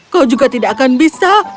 kau juga tidak akan bisa